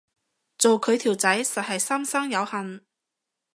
做佢條仔實係三生有幸